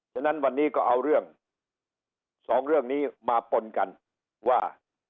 ฉะนั้นวันนี้ก็เอาเรื่องสองเรื่องนี้มาปนกันว่า